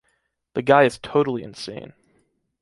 The guy is totally insane.